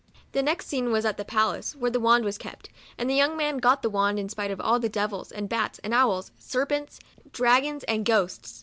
The next scene was the palace, where the wand was kept, and the young man got the wand in spite of all the devils and bats, owls, serpents, 64 MEMOIRS OF A dragons, and ghosts.